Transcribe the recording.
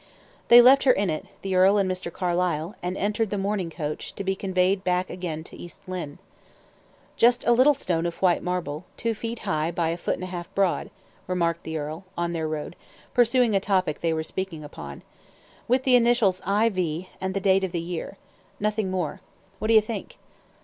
They left her in it, the earl and Mr. Carlyle, and entered the mourning coach, to be conveyed back again to East Lynne. "Just a little stone of white marble, two feet high by a foot and a half broad," remarked the earl, on their road, pursuing a topic they were speaking upon. "With the initials 'I. V.' and the date of the year. Nothing more. What do you think?"